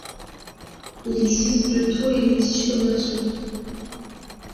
Il juge de tous les litiges commerciaux.